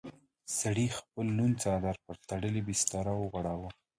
سړي خپل لوند څادر پر تړلې بستره وغوړاوه.